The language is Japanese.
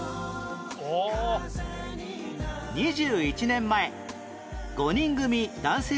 年前５人組男性